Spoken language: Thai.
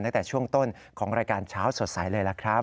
ตั้งแต่ช่วงต้นของรายการเช้าสดใสเลยล่ะครับ